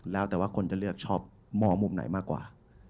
แล้วแต่ว่าคนจะเลือกชอบมองมุมไหนมากกว่า